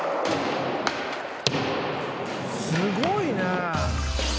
すごいね！